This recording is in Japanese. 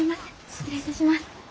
失礼いたします。